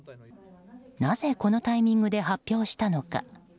なぜこのタイミングで発表したのか。